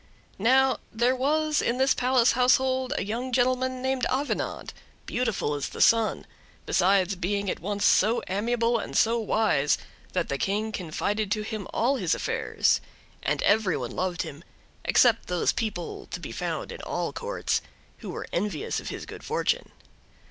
Now, there was in the palace household a young gentleman named Avenant, beautiful as the sun, besides being at once so amiable and so wise that the King confided to him all his affairs; and every one loved him, except those people—to be found in all courts—who were envious of his good fortune.